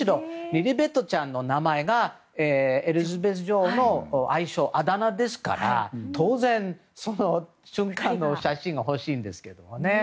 リリベットちゃんの名前がエリザベス女王の愛称あだ名ですから当然、その瞬間のお写真が欲しいんですけれどもね。